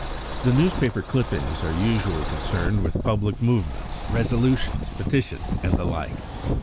The newspaper clippings are usually concerned with public movements, resolutions, petitions, and the like.